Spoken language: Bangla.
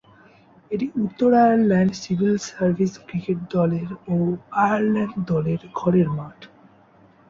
এটি উত্তর আয়ারল্যান্ড সিভিল সার্ভিস ক্রিকেট দলের ও আয়ারল্যান্ড দলের ঘরের মাঠ।